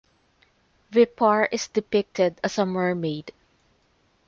Vepar is depicted as a mermaid.